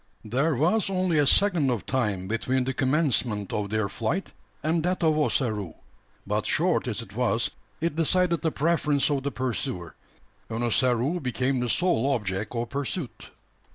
There was only a second of time between the commencement of their flight and that of Ossaroo; but short as it was, it decided the preference of the pursuer, and Ossaroo became the sole object of pursuit.